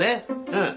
うん。